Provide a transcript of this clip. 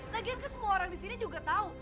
lagian ke semua orang disini juga tahu